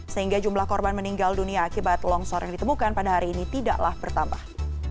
sehingga jumlah korban meninggal dunia akibat longsor yang ditemukan pada hari ini tidaklah bertambah